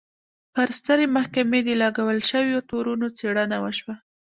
پر سترې محکمې د لګول شویو تورونو څېړنه وشوه.